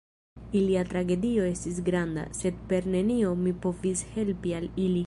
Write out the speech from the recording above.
Ilia tragedio estis granda, sed per nenio mi povis helpi al ili.